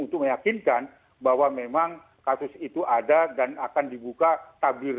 untuk meyakinkan bahwa memang kasus itu ada dan akan dibuka tabir